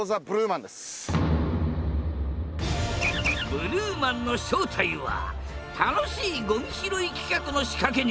ブルーマンの正体は「楽しいごみ拾い」企画の仕掛け人！